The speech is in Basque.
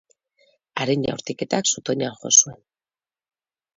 Haren jaurtiketak zutoinan jo zuen.